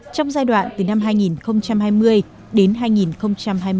trong giai đoạn từ năm hai nghìn hai mươi đến